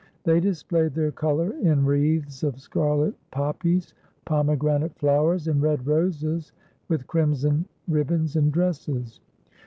They displayed their color in wreaths of scarlet poppies, pomegranate flowers, and red roses, with crimson ribbons and dresses.